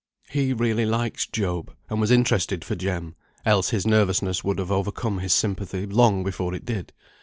He really liked Job, and was interested for Jem, else his nervousness would have overcome his sympathy long before it did.